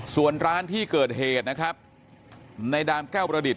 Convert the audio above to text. ส่วนร้านที่เกิดเหตุนะครับในดามแก้วประดิษฐ